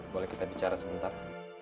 bisa kita bicara sedikit